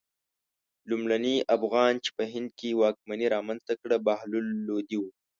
لومړني افغان چې په هند کې واکمني رامنځته کړه بهلول لودی و.